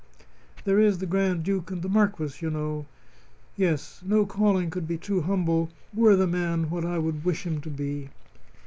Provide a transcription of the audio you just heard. There is the Grand Duke and the Marquis, you know. Yes; no calling could be too humble were the man what I would wish him to be."